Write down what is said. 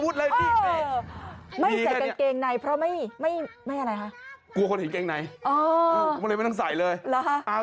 รึหะ